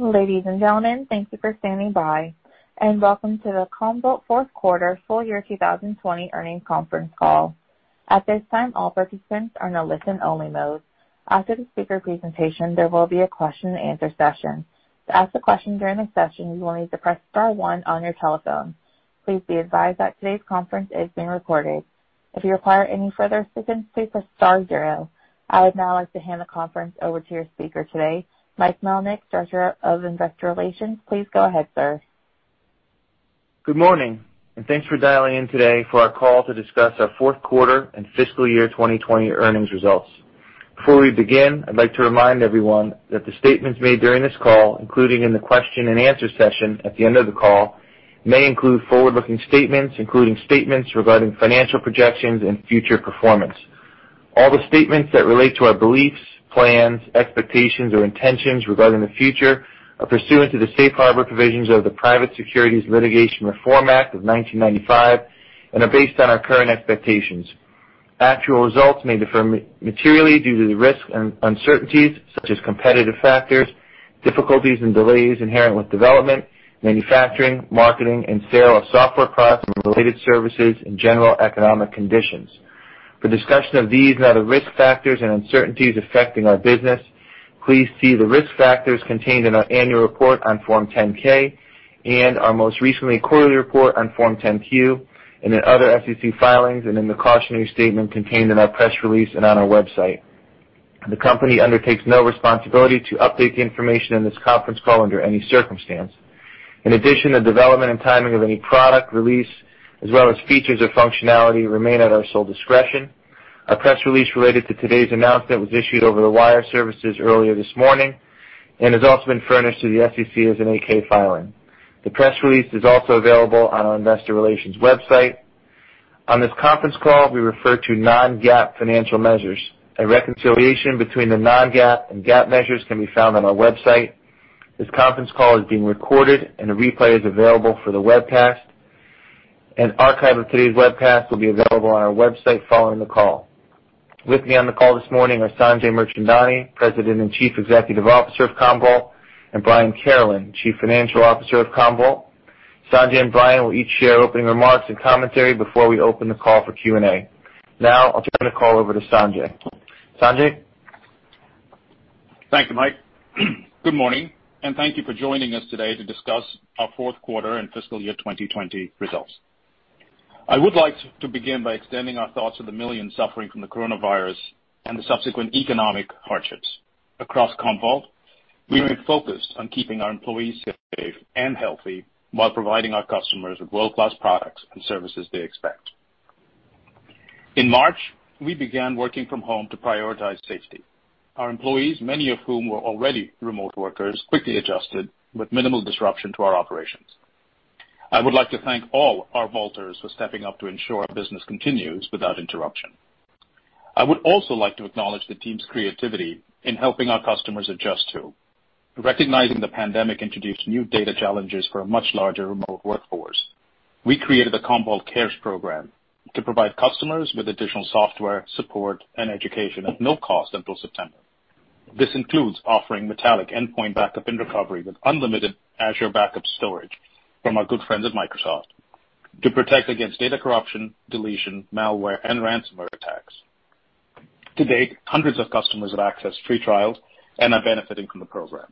Ladies and gentlemen, thank you for standing by, and welcome to the Commvault Fourth Quarter Full Year 2020 Earnings Conference Call. At this time, all participants are in a listen-only mode. After the speaker presentation, there will be a question and answer session. To ask a question during the session, you will need to press star one on your telephone. Please be advised that today's conference is being recorded. If you require any further assistance, please press star zero. I would now like to hand the conference over to your speaker today, Mike Melnyk, Director of Investor Relations. Please go ahead, sir. Good morning, and thanks for dialing in today for our call to discuss our fourth quarter and fiscal year 2020 earnings results. Before we begin, I'd like to remind everyone that the statements made during this call, including in the question and answer session at the end of the call, may include forward-looking statements, including statements regarding financial projections and future performance. All the statements that relate to our beliefs, plans, expectations, or intentions regarding the future are pursuant to the safe harbor provisions of the Private Securities Litigation Reform Act of 1995 and are based on our current expectations. Actual results may differ materially due to the risks and uncertainties, such as competitive factors, difficulties and delays inherent with development, manufacturing, marketing, and sale of software products and related services and general economic conditions. For discussion of these and other risk factors and uncertainties affecting our business, please see the risk factors contained in our annual report on Form 10-K and our most recent quarterly report on Form 10-Q, and in other SEC filings, and in the cautionary statement contained in our press release and on our website. The company undertakes no responsibility to update the information in this conference call under any circumstance. In addition, the development and timing of any product release, as well as features or functionality, remain at our sole discretion. Our press release related to today's announcement was issued over the wire services earlier this morning, and has also been furnished to the SEC as an 8-K filing. The press release is also available on our investor relations website. On this conference call, we refer to non-GAAP financial measures. A reconciliation between the non-GAAP and GAAP measures can be found on our website. This conference call is being recorded and a replay is available for the webcast. An archive of today's webcast will be available on our website following the call. With me on the call this morning are Sanjay Mirchandani, President and Chief Executive Officer of Commvault, and Brian Carolan, Chief Financial Officer of Commvault. Sanjay and Brian will each share opening remarks and commentary before we open the call for Q&A. Now, I'll turn the call over to Sanjay. Sanjay? Thank you, Mike. Good morning. Thank you for joining us today to discuss our fourth quarter and fiscal year 2020 results. I would like to begin by extending our thoughts to the millions suffering from the coronavirus and the subsequent economic hardships. Across Commvault, we remain focused on keeping our employees safe and healthy while providing our customers with world-class products and services they expect. In March, we began working from home to prioritize safety. Our employees, many of whom were already remote workers, quickly adjusted with minimal disruption to our operations. I would like to thank all our Vaulters for stepping up to ensure our business continues without interruption. I would also like to acknowledge the team's creativity in helping our customers adjust, too. Recognizing the pandemic introduced new data challenges for a much larger remote workforce, we created the Commvault Cares program to provide customers with additional software support and education at no cost until September. This includes offering Metallic endpoint backup and recovery with unlimited Azure backup storage from our good friends at Microsoft to protect against data corruption, deletion, malware, and ransomware attacks. To date, hundreds of customers have accessed free trials and are benefiting from the program.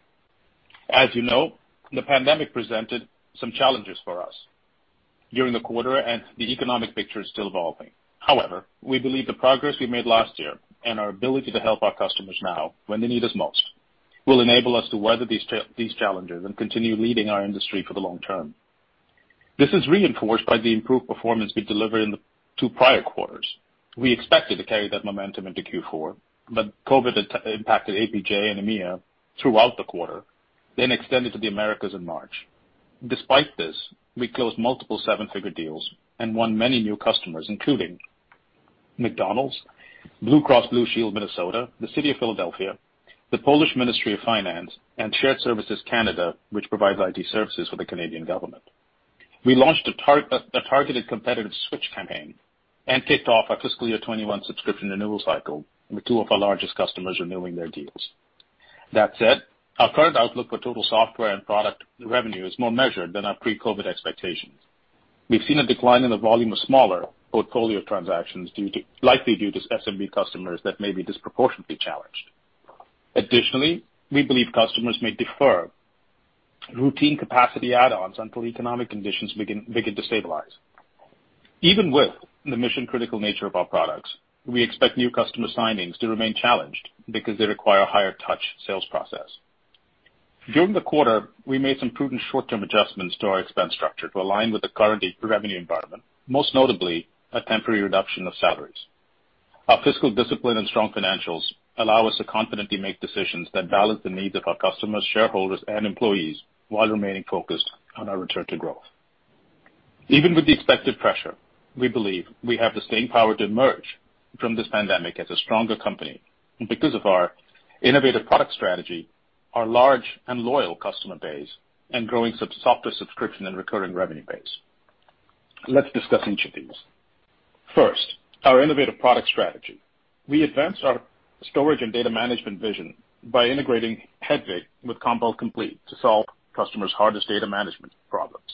As you know, the pandemic presented some challenges for us during the quarter, and the economic picture is still evolving. However, we believe the progress we made last year and our ability to help our customers now when they need us most will enable us to weather these challenges and continue leading our industry for the long term. This is reinforced by the improved performance we delivered in the two prior quarters. We expected to carry that momentum into Q4. COVID impacted APJ and EMEA throughout the quarter, then extended to the Americas in March. Despite this, we closed multiple seven-figure deals and won many new customers, including McDonald's, Blue Cross Blue Shield Minnesota, the City of Philadelphia, the Polish Ministry of Finance, and Shared Services Canada, which provides IT services for the Canadian government. We launched a targeted competitive switch campaign and kicked off our fiscal year 2021 subscription renewal cycle with two of our largest customers renewing their deals. That said, our current outlook for total software and product revenue is more measured than our pre-COVID expectations. We've seen a decline in the volume of smaller portfolio transactions likely due to SMB customers that may be disproportionately challenged. Additionally, we believe customers may defer routine capacity add-ons until economic conditions begin to stabilize. Even with the mission-critical nature of our products, we expect new customer signings to remain challenged because they require a higher touch sales process. During the quarter, we made some prudent short-term adjustments to our expense structure to align with the current revenue environment, most notably a temporary reduction of salaries. Our fiscal discipline and strong financials allow us to confidently make decisions that balance the needs of our customers, shareholders, and employees while remaining focused on our return to growth. Even with the expected pressure, we believe we have the staying power to emerge from this pandemic as a stronger company because of our innovative product strategy, our large and loyal customer base, and growing software subscription and recurring revenue base. Let's discuss each of these. First, our innovative product strategy. We advanced our storage and data management vision by integrating Hedvig with Commvault Complete to solve customers' hardest data management problems.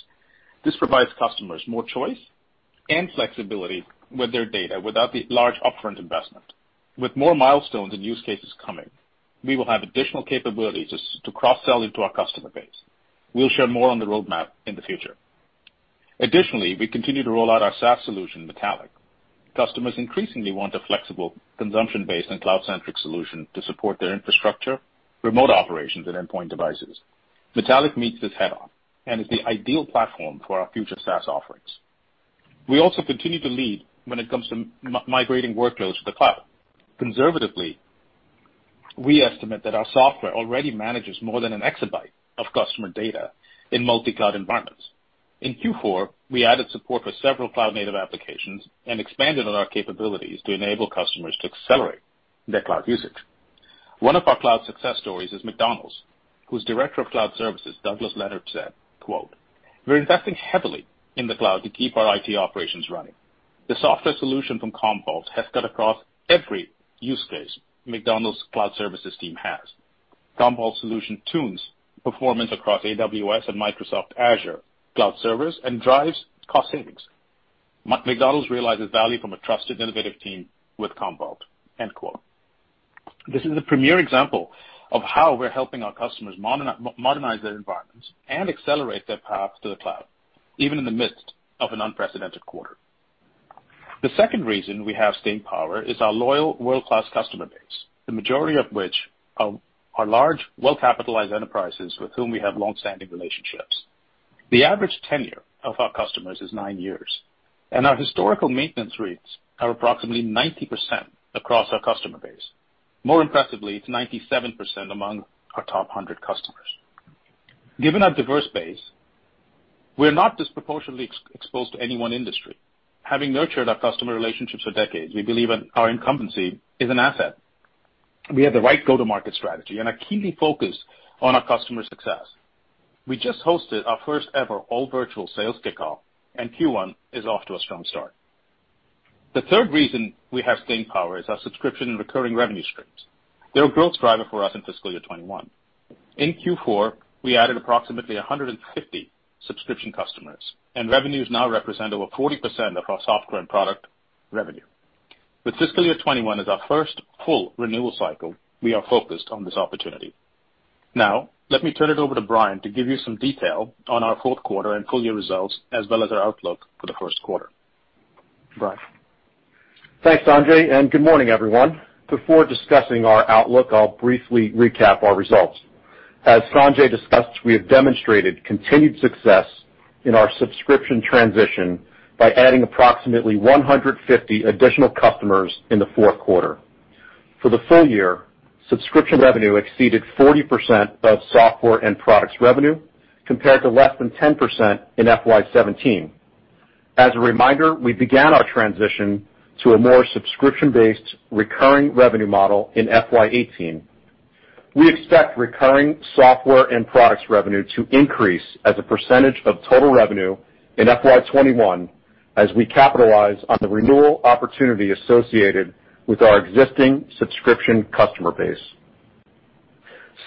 This provides customers more choice and flexibility with their data without the large upfront investment. With more milestones and use cases coming, we will have additional capabilities to cross-sell into our customer base. We'll share more on the roadmap in the future. Additionally, we continue to roll out our SaaS solution, Metallic. Customers increasingly want a flexible consumption-based and cloud-centric solution to support their infrastructure, remote operations, and endpoint devices. Metallic meets this head-on and is the ideal platform for our future SaaS offerings. We also continue to lead when it comes to migrating workloads to the cloud. Conservatively, we estimate that our software already manages more than an exabyte of customer data in multi-cloud environments. In Q4, we added support for several cloud-native applications and expanded on our capabilities to enable customers to accelerate their cloud usage. One of our cloud success stories is McDonald's, whose Director of Cloud Services, Douglas Leonard, said, quote, "We're investing heavily in the cloud to keep our IT operations running. The software solution from Commvault has cut across every use case McDonald's cloud services team has. Commvault solution tunes performance across AWS and Microsoft Azure cloud servers and drives cost savings. McDonald's realizes value from a trusted, innovative team with Commvault." End quote. This is a premier example of how we're helping our customers modernize their environments and accelerate their path to the cloud, even in the midst of an unprecedented quarter. The second reason we have staying power is our loyal world-class customer base, the majority of which are large, well-capitalized enterprises with whom we have longstanding relationships. The average tenure of our customers is nine years, and our historical maintenance rates are approximately 90% across our customer base. More impressively, it's 97% among our top 100 customers. Given our diverse base, we're not disproportionately exposed to any one industry. Having nurtured our customer relationships for decades, we believe our incumbency is an asset. We have the right go-to-market strategy and are keenly focused on our customers' success. We just hosted our first ever all-virtual sales kickoff, and Q1 is off to a strong start. The third reason we have staying power is our subscription and recurring revenue streams. They're a growth driver for us in fiscal year 2021. In Q4, we added approximately 150 subscription customers, and revenues now represent over 40% of our software and product revenue. With fiscal year 2021 as our first full renewal cycle, we are focused on this opportunity. Now, let me turn it over to Brian to give you some detail on our fourth quarter and full-year results, as well as our outlook for the first quarter. Brian? Thanks, Sanjay, and good morning, everyone. Before discussing our outlook, I'll briefly recap our results. As Sanjay discussed, we have demonstrated continued success in our subscription transition by adding approximately 150 additional customers in the fourth quarter. For the full year, subscription revenue exceeded 40% of software and products revenue, compared to less than 10% in FY 2017. As a reminder, we began our transition to a more subscription-based recurring revenue model in FY 2018. We expect recurring software and products revenue to increase as a percentage of total revenue in FY 2021 as we capitalize on the renewal opportunity associated with our existing subscription customer base.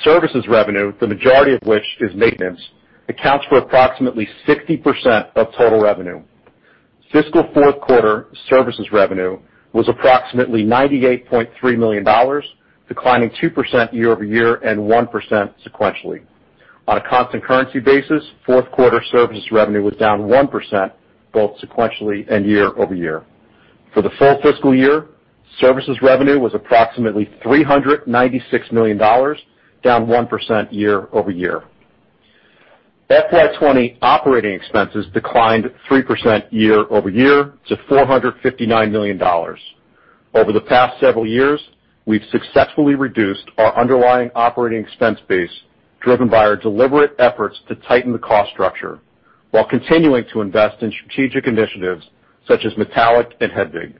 Services revenue, the majority of which is maintenance, accounts for approximately 60% of total revenue. Fiscal fourth quarter services revenue was approximately $98.3 million, declining 2% year-over-year and 1% sequentially. On a constant currency basis, fourth quarter services revenue was down 1% both sequentially and year-over-year. For the full fiscal year, services revenue was approximately $396 million, down 1% year-over-year. FY 2020 OpEx declined 3% year-over-year to $459 million. Over the past several years, we've successfully reduced our underlying OpEx base, driven by our deliberate efforts to tighten the cost structure while continuing to invest in strategic initiatives such as Metallic and Hedvig.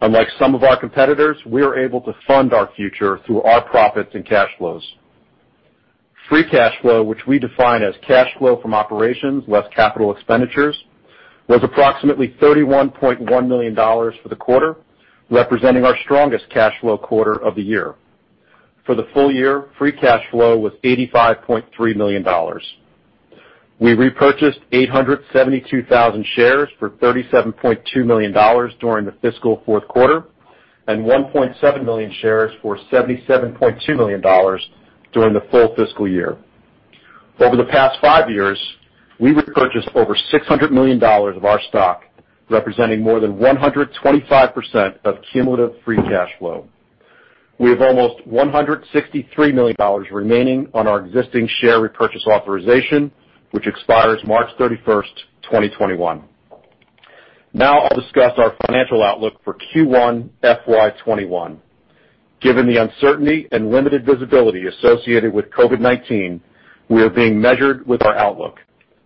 Unlike some of our competitors, we are able to fund our future through our profits and cash flows. Free cash flow, which we define as cash flow from operations less capital expenditures, was approximately $31.1 million for the quarter, representing our strongest cash flow quarter of the year. For the full year, free cash flow was $85.3 million. We repurchased 872,000 shares for $37.2 million during the fiscal fourth quarter, and 1.7 million shares for $77.2 million during the full fiscal year. Over the past five years, we've repurchased over $600 million of our stock, representing more than 125% of cumulative free cash flow. We have almost $163 million remaining on our existing share repurchase authorization, which expires March 31st, 2021. I'll discuss our financial outlook for Q1 FY 2021. Given the uncertainty and limited visibility associated with COVID-19, we are being measured with our outlook.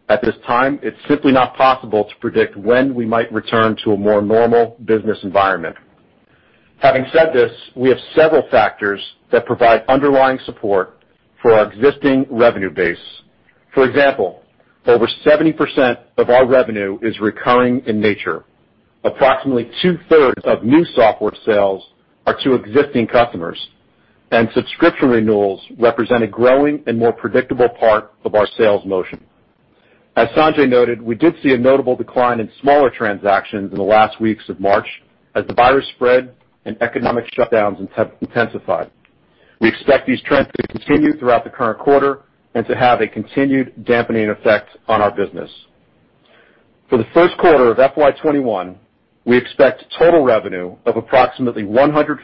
At this time, it's simply not possible to predict when we might return to a more normal business environment. Having said this, we have several factors that provide underlying support for our existing revenue base. For example, over 70% of our revenue is recurring in nature. Approximately two-thirds of new software sales are to existing customers, and subscription renewals represent a growing and more predictable part of our sales motion. As Sanjay noted, we did see a notable decline in smaller transactions in the last weeks of March as the virus spread and economic shutdowns intensified. We expect these trends to continue throughout the current quarter and to have a continued dampening effect on our business. For the first quarter of FY 2021, we expect total revenue of approximately $150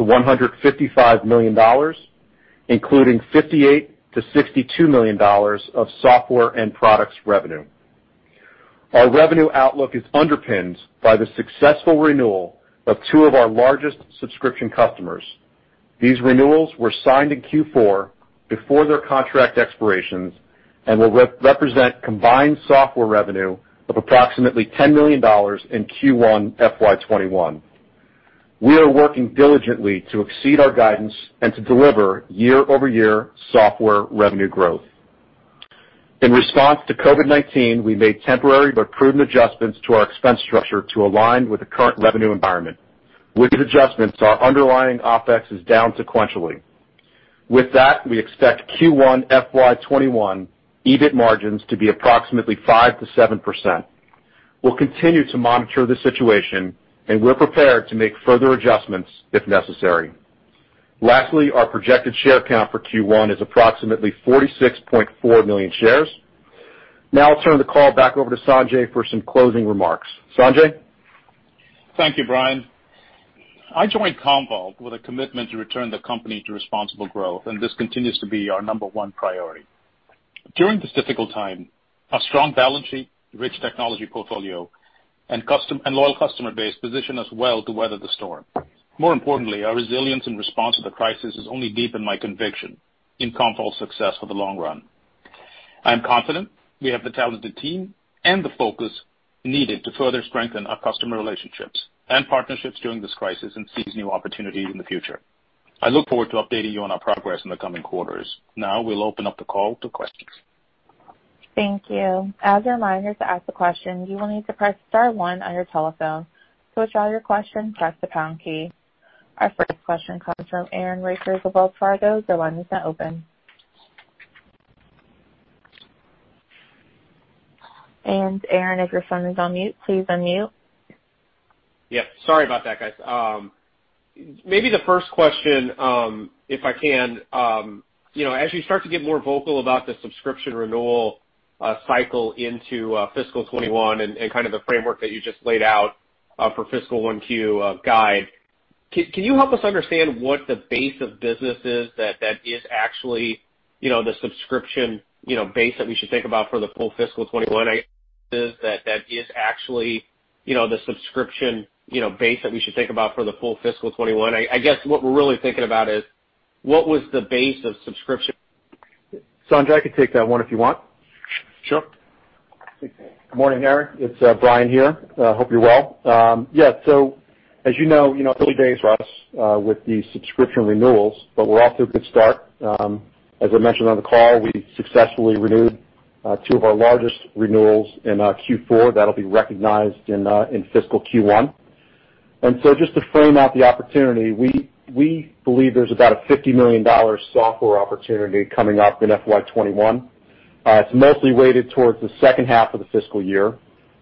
million-$155 million, including $58 million-$62 million of software and products revenue. Our revenue outlook is underpinned by the successful renewal of two of our largest subscription customers. These renewals were signed in Q4 before their contract expirations and will represent combined software revenue of approximately $10 million in Q1 FY 2021. We are working diligently to exceed our guidance and to deliver year-over-year software revenue growth. In response to COVID-19, we made temporary but prudent adjustments to our expense structure to align with the current revenue environment. With these adjustments, our underlying OpEx is down sequentially. With that, we expect Q1 FY 2021 EBIT margins to be approximately 5%-7%. We'll continue to monitor the situation, and we're prepared to make further adjustments if necessary. Lastly, our projected share count for Q1 is approximately 46.4 million shares. Now I'll turn the call back over to Sanjay for some closing remarks. Sanjay? Thank you, Brian. I joined Commvault with a commitment to return the company to responsible growth, and this continues to be our number one priority. During this difficult time, our strong balance sheet, rich technology portfolio, and loyal customer base position us well to weather the storm. More importantly, our resilience in response to the crisis has only deepened my conviction in Commvault's success for the long run. I am confident we have the talented team and the focus needed to further strengthen our customer relationships and partnerships during this crisis and seize new opportunities in the future. I look forward to updating you on our progress in the coming quarters. Now we'll open up the call to questions. Thank you. As a reminder, to ask a question, you will need to press star one on your telephone. To withdraw your question, press the pound key. Our first question comes from Aaron Rakers of Wells Fargo. Your line is now open. Aaron, if your phone is on mute, please unmute. Yeah, sorry about that, guys. Maybe the first question, if I can, as you start to get more vocal about the subscription renewal cycle into fiscal 2021 and the framework that you just laid out for fiscal 1Q guide, can you help us understand what the base of business is that is actually the subscription base that we should think about for the full fiscal 2021? I guess what we're really thinking about is, what was the base of subscription- Sanjay, I can take that one if you want. Sure. Good morning, Aaron. It's Brian here. Hope you're well. Yeah. As you know, early days for us with the subscription renewals, but we're off to a good start. As I mentioned on the call, we successfully renewed two of our largest renewals in Q4. That'll be recognized in fiscal Q1. Just to frame out the opportunity, we believe there's about a $50 million software opportunity coming up in FY 2021. It's mostly weighted towards the second half of the fiscal year.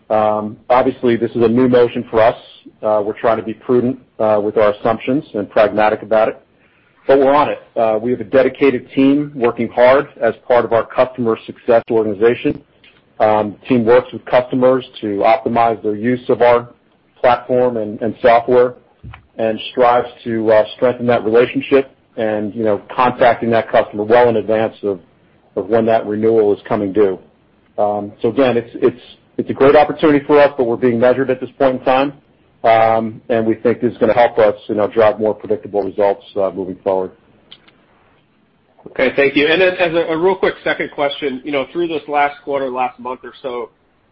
Obviously, this is a new motion for us. We're trying to be prudent with our assumptions and pragmatic about it, but we're on it. We have a dedicated team working hard as part of our customer success organization. Team works with customers to optimize their use of our platform and software and strives to strengthen that relationship and contacting that customer well in advance of when that renewal is coming due. Again, it's a great opportunity for us, but we're being measured at this point in time. We think this is going to help us drive more predictable results moving forward. Okay. Thank you. As a real quick second question, through this last quarter, last month or so,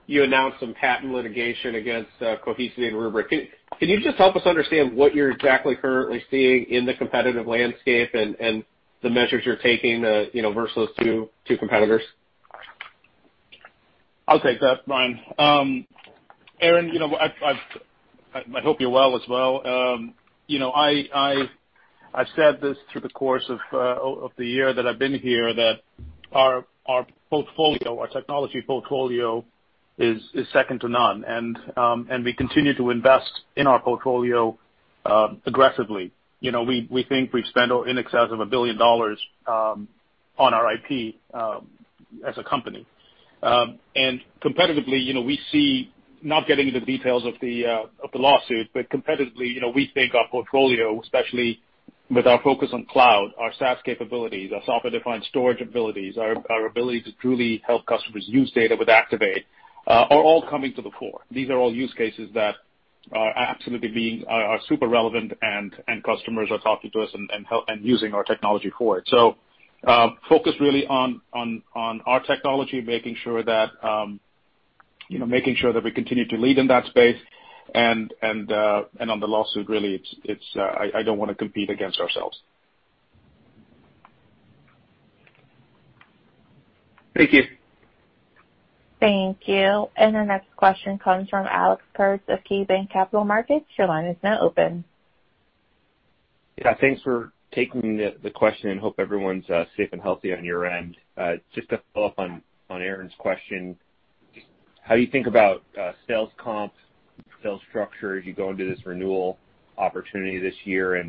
you announced some patent litigation against Cohesity and Rubrik. Can you just help us understand what you're exactly currently seeing in the competitive landscape and the measures you're taking versus those two competitors? I'll take that, Brian. Aaron, I hope you're well as well. I've said this through the course of the year that I've been here, that our portfolio, our technology portfolio is second to none, and we continue to invest in our portfolio aggressively. We think we've spent in excess of $1 billion on our IP as a company. Competitively, we see, not getting into details of the lawsuit, but competitively, we think our portfolio, especially with our focus on cloud, our SaaS capabilities, our software-defined storage abilities, our ability to truly help customers use data with Activate are all coming to the fore. These are all use cases that are super relevant, and customers are talking to us and using our technology for it. Focused really on our technology, making sure that we continue to lead in that space, and on the lawsuit, really, I don't want to compete against ourselves. Thank you. Thank you. Our next question comes from Alex Kurtz of KeyBanc Capital Markets. Your line is now open. Yeah. Thanks for taking the question. Hope everyone's safe and healthy on your end. Just to follow up on Aaron's question, how do you think about sales comps, sales structure, as you go into this renewal opportunity this year?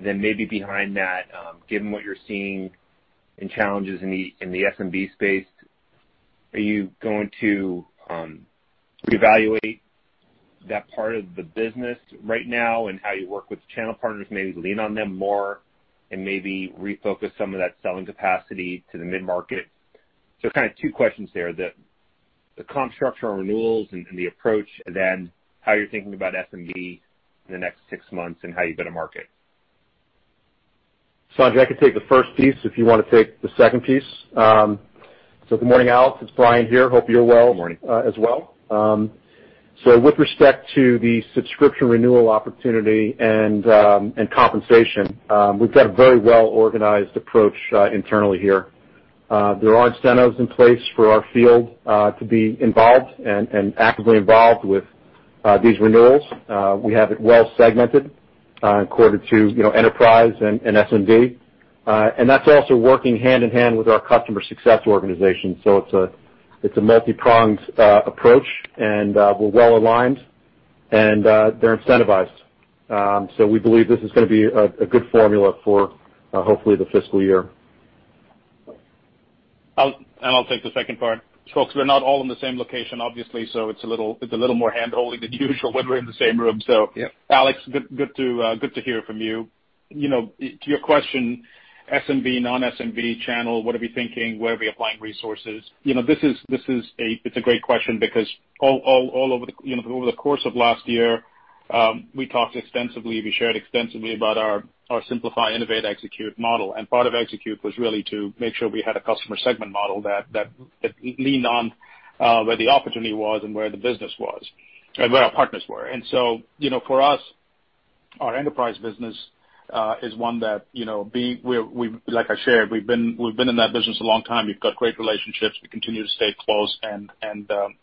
Then maybe behind that, given what you're seeing in challenges in the SMB space, are you going to reevaluate that part of the business right now and how you work with the channel partners, maybe lean on them more and maybe refocus some of that selling capacity to the mid-market? Kind of two questions there. The comp structure on renewals and the approach, and then how you're thinking about SMB in the next six months and how you go to market. Sanjay, I can take the first piece if you want to take the second piece. Good morning, Alex. It's Brian here. Hope you're well. Good morning. as well. With respect to the subscription renewal opportunity and compensation, we've got a very well-organized approach internally here. There are incentives in place for our field to be involved, and actively involved, with these renewals. We have it well segmented according to enterprise and SMB, and that's also working hand-in-hand with our customer success organization. It's a multi-pronged approach, and we're well aligned, and they're incentivized. We believe this is going to be a good formula for hopefully the fiscal year. I'll take the second part. Folks, we're not all in the same location, obviously, so it's a little more hand-holding than usual when we're in the same room. Yeah Alex, good to hear from you. To your question, SMB, non-SMB channel, what are we thinking? Where are we applying resources? It's a great question because all over the course of last year, we talked extensively, we shared extensively about our Simplify, Innovate, Execute model. Part of execute was really to make sure we had a customer segment model that leaned on where the opportunity was and where the business was, and where our partners were. For us, our enterprise business is one that, like I shared, we've been in that business a long time. We've got great relationships. We continue to stay close and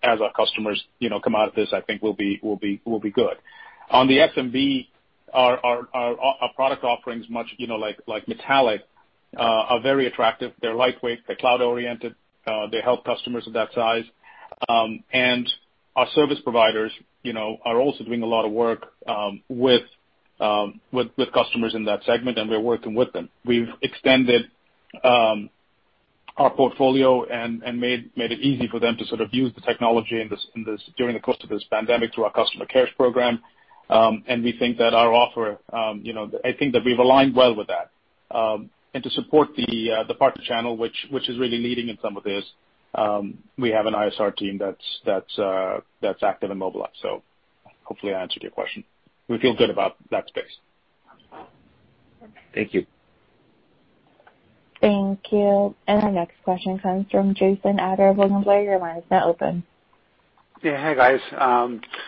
as our customers come out of this, I think we'll be good. On the SMB, our product offerings, much like Metallic, are very attractive. They're lightweight. They're cloud-oriented. They help customers of that size. Our service providers are also doing a lot of work with customers in that segment, and we're working with them. We've extended our portfolio and made it easy for them to sort of use the technology during the course of this pandemic through our Commvault Cares program. I think that we've aligned well with that. To support the partner channel, which is really leading in some of this, we have an ISR team that's active in mobile app. Hopefully I answered your question. We feel good about that space. Thank you. Thank you. Our next question comes from Jason Ader of William Blair. Your line is now open. Yeah. Hey, guys.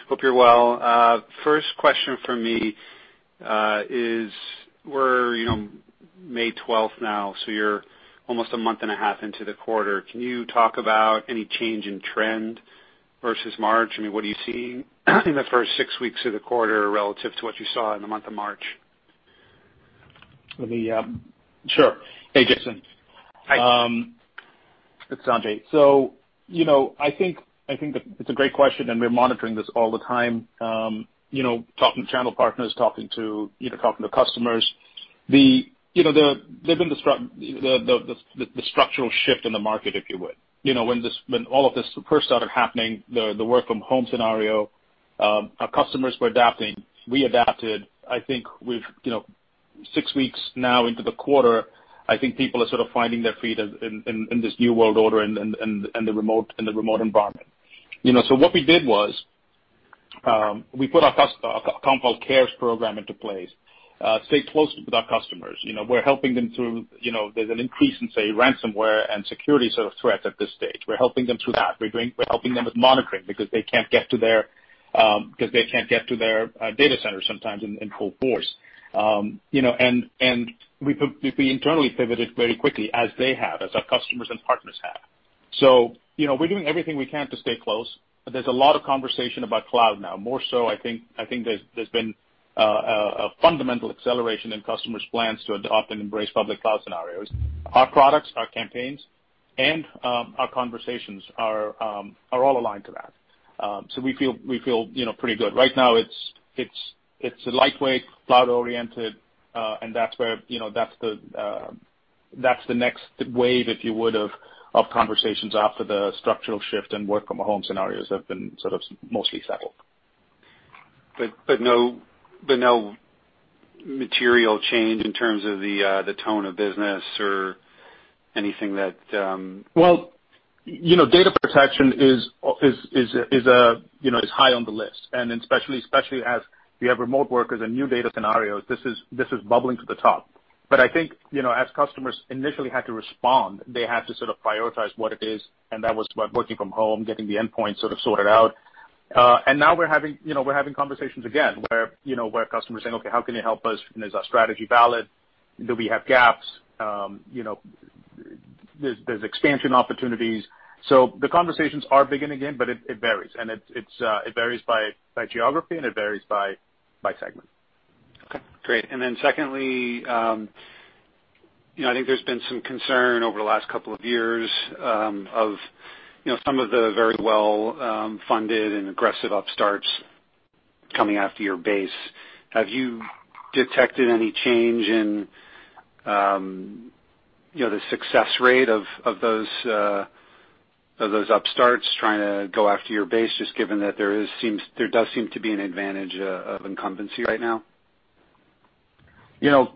Hope you're well. First question from me is we're May 12th now, so you're almost a month and a half into the quarter. Can you talk about any change in trend versus March? I mean, what are you seeing in the first six weeks of the quarter relative to what you saw in the month of March? Sure. Hey, Jason. Hi. It's Sanjay. I think it's a great question, and we're monitoring this all the time. Talking to channel partners, talking to customers. There's been the structural shift in the market, if you would. When all of this first started happening, the work from home scenario, our customers were adapting. We adapted. Six weeks now into the quarter, I think people are sort of finding their feet in this new world order and the remote environment. What we did was we put our Commvault Cares program into place. Stay close with our customers. We're helping them through, there's an increase in, say, ransomware and security sort of threats at this stage. We're helping them through that. We're helping them with monitoring because they can't get to their data centers sometimes in full force. We internally pivoted very quickly as they have, as our customers and partners have. We're doing everything we can to stay close. There's a lot of conversation about cloud now, more so I think there's been a fundamental acceleration in customers' plans to adopt and embrace public cloud scenarios. Our products, our campaigns, and our conversations are all aligned to that. We feel pretty good. Right now it's lightweight, cloud-oriented, and that's the next wave, if you would, of conversations after the structural shift and work from home scenarios have been sort of mostly settled. No material change in terms of the tone of business. Well, data protection is high on the list, and especially as we have remote workers and new data scenarios, this is bubbling to the top. I think, as customers initially had to respond, they had to sort of prioritize what it is, and that was about working from home, getting the endpoint sort of sorted out. Now we're having conversations again where customers are saying, "Okay, how can you help us? Is our strategy valid? Do we have gaps?" There's expansion opportunities. The conversations are beginning again, but it varies. It varies by geography, and it varies by segment. Okay, great. Then secondly, I think there's been some concern over the last couple of years of some of the very well-funded and aggressive upstarts coming after your base. Have you detected any change in the success rate of those upstarts trying to go after your base, just given that there does seem to be an advantage of incumbency right now?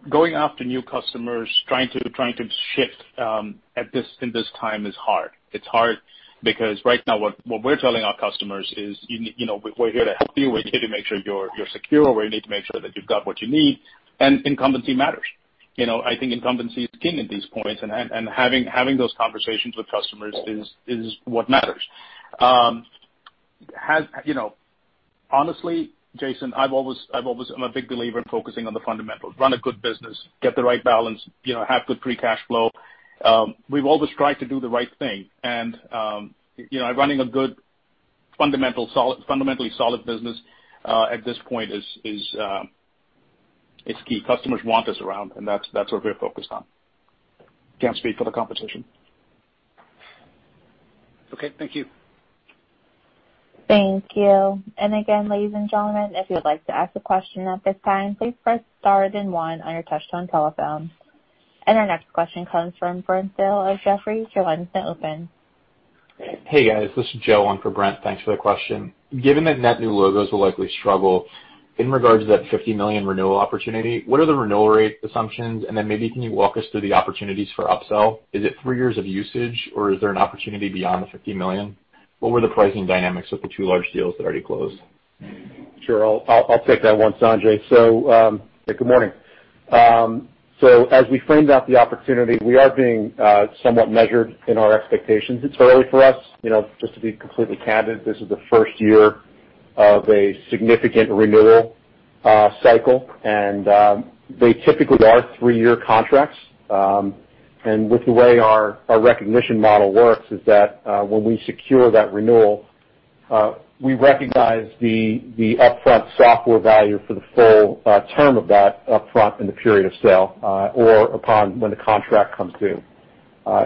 Going after new customers, trying to shift in this time is hard. It's hard because right now what we're telling our customers is, "We're here to help you. We're here to make sure you're secure. We're here to make sure that you've got what you need." Incumbency matters. I think incumbency is king at these points, and having those conversations with customers is what matters. Honestly, Jason, I'm a big believer in focusing on the fundamentals, run a good business, get the right balance, have good free cash flow. We've always tried to do the right thing, and running a good fundamentally solid business, at this point is key. Customers want us around, and that's what we're focused on. Can't speak for the competition. Okay, thank you. Thank you. Again, ladies and gentlemen, if you would like to ask a question at this time, please press star then one on your touchtone telephone. Our next question comes from Brent Thill of Jefferies. Your line is now open. Hey, guys, this is Joe on for Brent. Thanks for the question. Given that net new logos will likely struggle, in regards to that $50 million renewal opportunity, what are the renewal rate assumptions? Maybe can you walk us through the opportunities for upsell? Is it three years of usage, or is there an opportunity beyond the $50 million? What were the pricing dynamics of the two large deals that already closed? Sure. I'll take that one, Sanjay. Good morning. As we framed out the opportunity, we are being somewhat measured in our expectations. It's early for us. Just to be completely candid, this is the first year of a significant renewal cycle, and they typically are three-year contracts. With the way our recognition model works is that, when we secure that renewal, we recognize the upfront software value for the full term of that upfront in the period of sale, or upon when the contract comes due.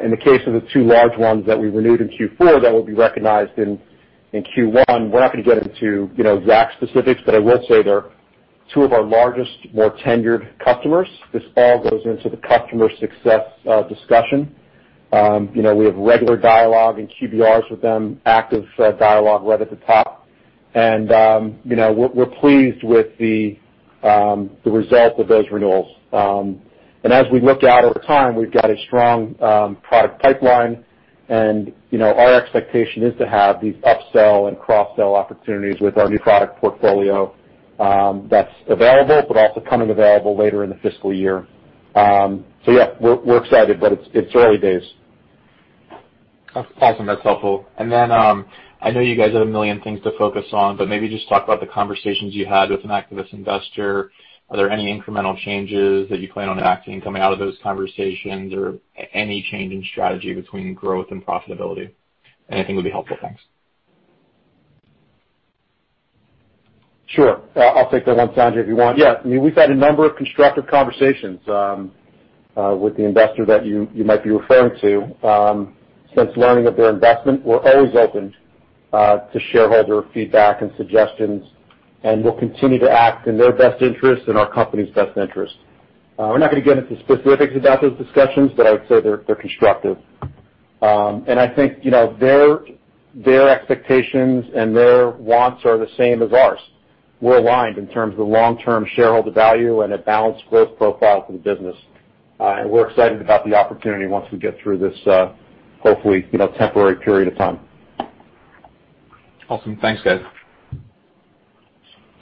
In the case of the two large ones that we renewed in Q4 that will be recognized in Q1, we're not going to get into exact specifics, but I will say they're two of our largest, more tenured customers. This all goes into the customer success discussion. We have regular dialogue and QBRs with them, active dialogue right at the top. We're pleased with the result of those renewals. As we look out over time, we've got a strong product pipeline and our expectation is to have these upsell and cross-sell opportunities with our new product portfolio that's available, but also coming available later in the fiscal year. Yeah, we're excited, but it's early days. Awesome. That's helpful. I know you guys have a million things to focus on, but maybe just talk about the conversations you had with an activist investor. Are there any incremental changes that you plan on enacting coming out of those conversations, or any change in strategy between growth and profitability? Anything would be helpful. Thanks. Sure. I'll take that one, Sanjay, if you want. Yeah, we've had a number of constructive conversations with the investor that you might be referring to since learning of their investment. We're always open to shareholder feedback and suggestions, we'll continue to act in their best interest and our company's best interest. We're not going to get into specifics about those discussions, I'd say they're constructive. I think their expectations and their wants are the same as ours. We're aligned in terms of the long-term shareholder value and a balanced growth profile for the business. We're excited about the opportunity once we get through this, hopefully, temporary period of time. Awesome. Thanks, guys. Thank you.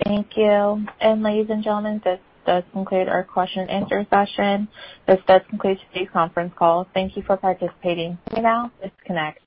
Ladies and gentlemen, this does conclude our question and answer session. This does conclude today's conference call. Thank you for participating. You may now disconnect.